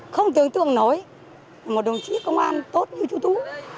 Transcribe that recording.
không tưởng tượng nổi một đồng chí công an tốt như chú tú